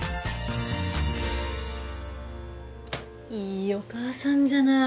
いいお母さんじゃない。